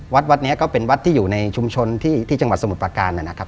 วัดวัดนี้ก็เป็นวัดที่อยู่ในชุมชนที่จังหวัดสมุทรประการนะครับ